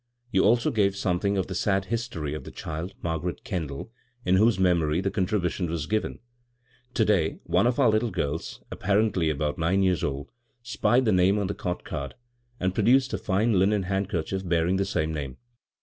Yeu also gave something of the sad history of the child, Margaret Kendall, in whose memory the contribution was given. To day one of our litde girls, apparently about nine years old, spied the name on the cot card, and produced a fine linen handkerchief bear ing the same name.